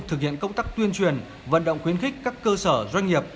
thực hiện công tác tuyên truyền vận động khuyến khích các cơ sở doanh nghiệp